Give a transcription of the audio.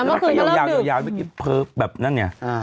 มาตั้งแต่คราวมาตั้งแต่ยาวแบบนั้นเนี่ย